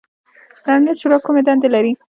د امنیت شورا کومې دندې لري؟